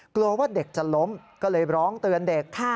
กลัวว่าเด็กจะล้มก็เลยร้องเตือนเด็ก